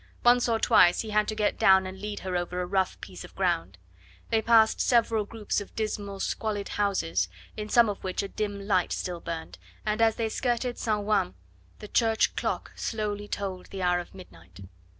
Once or twice he had to get down and lead her over a rough piece of ground. They passed several groups of dismal, squalid houses, in some of which a dim light still burned, and as they skirted St. Ouen the church clock slowly tolled the hour of midnight.